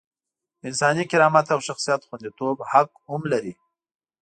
د انساني کرامت او شخصیت خونديتوب حق هم لري.